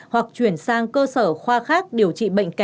hoặc chuyển sang cơ sở khoa khác điều trị bệnh kỳ